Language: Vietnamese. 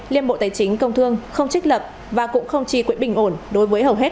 liên bộ tài chính công thương không trích lập và cũng không trì quỹ bình ổn đối với hầu hết